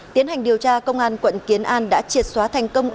tiến hành điều tra công an quận kiến an đã triệt xóa thành công